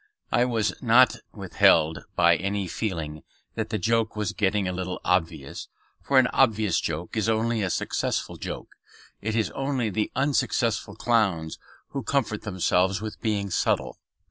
I was not withheld by any feeling that the joke was getting a little obvious; for an obvious joke is only a successful joke; it is only the unsuccessful clowns who comfort themselves with being subtle.